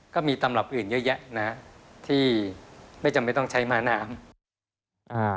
ก็มีตำหรับอื่นเยอะนะที่ไม่จะไม่ต้องใช้ม้าน้ำ